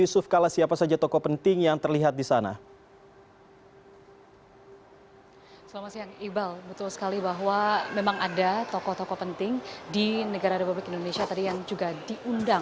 supaya jangan terjadi lagi